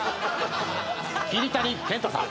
桐谷健太さん。